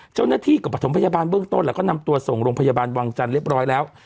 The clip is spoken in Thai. เจ้าหน้าที่ก็ประถมพยาบาลเบื้องต้นแล้วก็นำตัวส่งโรงพยาบาลวังจันทร์เรียบร้อยแล้ว